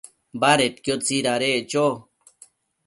Badedquio tsidadeccho